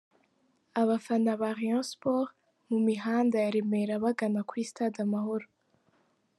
Abafana ba Rayon Sports mu mihanda ya Remera bagana kuri sitade Amahoro.